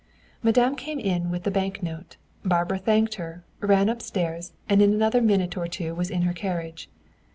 Madame came in with the bank note. Barbara thanked her, ran upstairs, and in another minute or two was in her carriage.